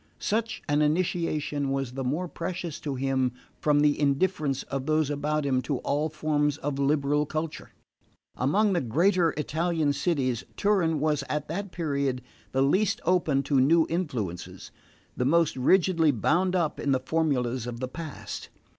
Such an initiation was the more precious to him from the indifference of those about him to all forms of liberal culture. Among the greater Italian cities, Turin was at that period the least open to new influences, the most rigidly bound up in the formulas of the past.